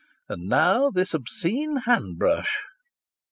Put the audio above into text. And now this obscene hand brush!